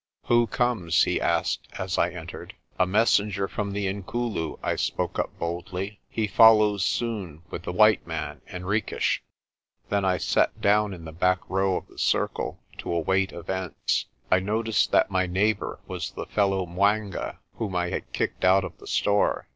"Who comes? " he asked as I entered. "A messenger from the Inkulu," I spoke up boldly. "He follows soon with the white man, Henriques." Then I sat down in the back row of the circle to await events. I noticed that my neighbour was the fellow 'Mwanga whom I had kicked out of the store.